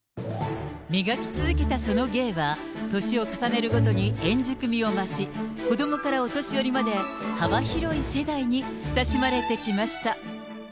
磨き続けたその芸は、年を重ねるごとに円熟味を増し、子どもからお年寄りまで、幅広い世代に親しまれてきました。